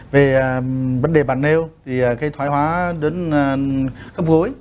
về vấn đề bàn nêu thì cái thoải hóa đến khớp gối